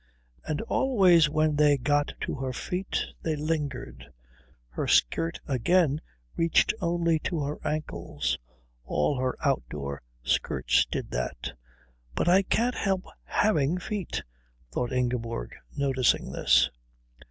And always when they got to her feet they lingered. Her skirt again reached only to her ankles. All her outdoor skirts did that. "But I can't help having feet," thought Ingeborg, noticing this.